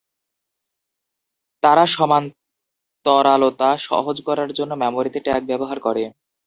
তারা সমান্তরালতা সহজতর করার জন্য মেমরিতে ট্যাগ ব্যবহার করে।